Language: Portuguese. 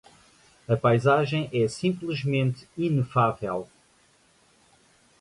A paisagem é simplesmente inefável.